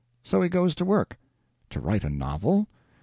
So he goes to work. To write a novel?